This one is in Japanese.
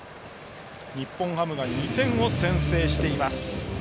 日本ハムが２点を先制しています。